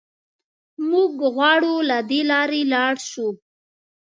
موږ غواړو له دې لارې لاړ شو.